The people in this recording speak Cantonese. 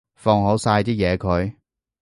放好晒啲嘢佢